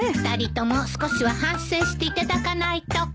２人とも少しは反省していただかないと。